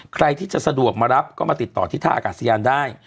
ใครที่จะสะดวกมารับก็มาติดต่อที่ท่าอากาศยานได้